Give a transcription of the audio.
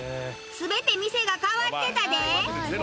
全て店が変わってたで。